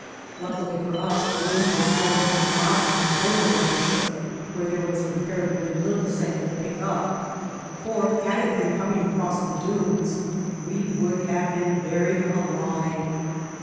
Luckily for us the wind was blowing from the mountains over the mesa where there was comparatively little sand to pick up, for had it been coming across the dunes we would have been buried alive.